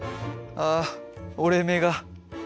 あ折れ目が。